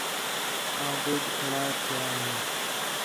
آں ٻُجھ کھڑا تِھیا ہیں